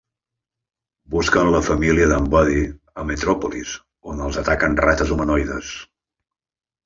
Busquen la família d'en Buddy a Metròpolis, on els ataquen rates humanoides.